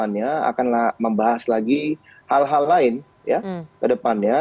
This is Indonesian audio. kedepannya akan membahas lagi hal hal lain ya ke depannya